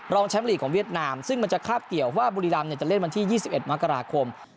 แชมป์ลีกของเวียดนามซึ่งมันจะคาบเกี่ยวว่าบุรีรำจะเล่นวันที่๒๑มกราคม